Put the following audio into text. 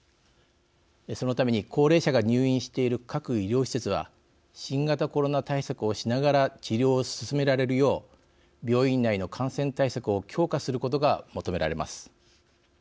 そのために高齢者が入院している各医療施設が新型コロナ対策をしながら治療を進められるよう病院内の感染対策を強化することが求められます。